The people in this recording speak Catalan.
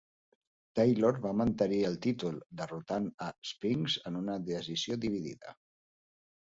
Taylor va mantenir el títol, derrotant a Spinks en una decisió dividida.